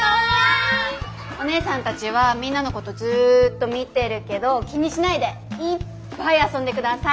おねえさんたちはみんなのことずっと見てるけど気にしないでいっぱい遊んで下さい。